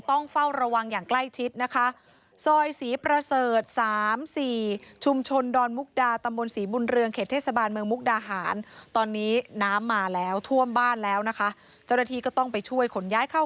ต้องเฝ้าระวังอย่างใกล้ชิดนะคะ